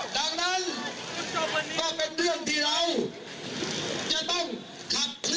ดังนั้นก็เป็นเรื่องที่เราจะต้องขับเคลื่อ